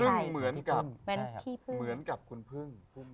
ซึ่งเหมือนกับคุณพึ่ง